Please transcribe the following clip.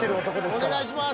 お願いします。